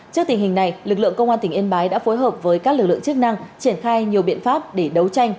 trước tình hình này lực lượng công an tỉnh yên bái đã phối hợp với các lực lượng chức năng triển khai nhiều biện pháp để đấu tranh